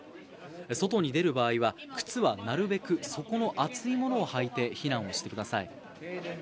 外に出る場合は靴はなるべく底の厚いものを履いて、避難をしてください。